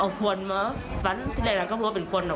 เอาขวนมาสร้างที่หลายก็บวกเป็นขวนหรอก